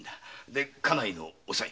家内のおさい。